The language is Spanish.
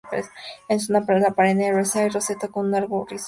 Es una planta perenne herbácea en roseta, con un largo rizoma.